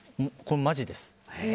マジです。